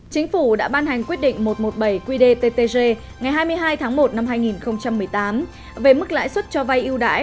chính phủ đã ban hành quyết định một trăm một mươi bảy qdttg ngày hai mươi hai tháng một năm hai nghìn một mươi tám về mức lãi suất cho vay yêu đãi